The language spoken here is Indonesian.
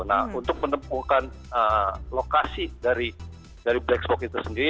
nah untuk menempuhkan lokasi dari black spock itu sendiri